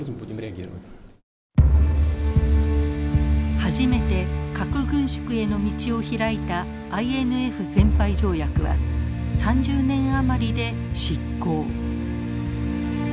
初めて核軍縮への道を開いたＩＮＦ全廃条約は３０年余りで失効。